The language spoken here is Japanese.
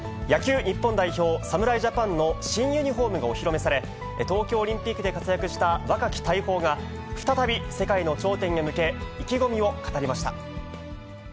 野球日本代表、侍ジャパンの新ユニホームがお披露目され、東京オリンピックで活躍した若き大砲が、再び世界の頂点へ向け、意気込みを語りました。